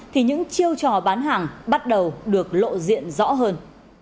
thì những chiêu trò bán hàng bắt đầu được lộ diện rõ hơn